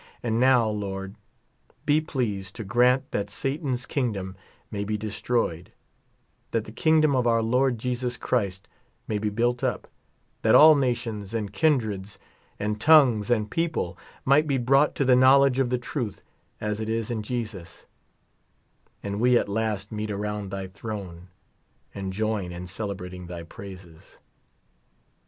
And now, luord, be pleased to grant that Satan's kingdom may be destroyed ; that the kingdom of our Lord Jesus Christ may be built up ; that all nations, and kindreds, and tongues, and people might be brought to the knowledge of the truth, as it is in Jesus, and we at last meet around thy throne, and join in celebrating thy praises.